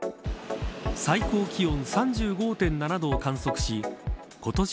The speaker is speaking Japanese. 最高気温３５．７度を観測し今年